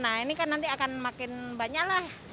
nah ini kan nanti akan makin banyak lah